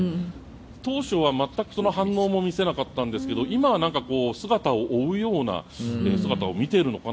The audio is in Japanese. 当初は全くその反応も見せなかったんですが今は姿を追うような姿を見ているのかな。